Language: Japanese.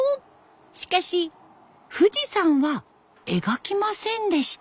しかし富士山は描きませんでした。